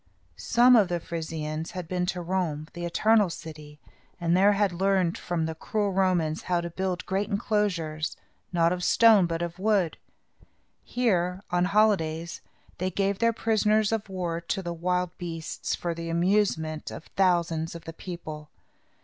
Some of the Frisians had been to Rome, the Eternal City, and had there learned, from the cruel Romans, how to build great enclosures, not of stone but of wood. Here, on holidays, they gave their prisoners of war to the wild beasts, for the amusement of thousands of the people.